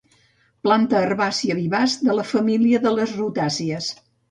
Planta herbàcia vivaç de la família de les rutàcies.